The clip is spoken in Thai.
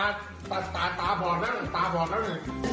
เดี๋ยวลูกหน้าขอบคุณ